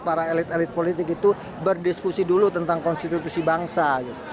para elit elit politik itu berdiskusi dulu tentang konstitusi bangsa